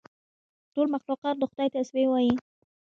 ټول مخلوقات د خدای تسبیح وایي.